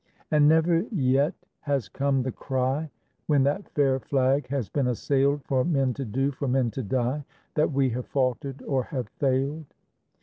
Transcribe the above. And never yet has come the cry When that fair flag has been assailed For men to do, for men to die, That we have faltered or have failed.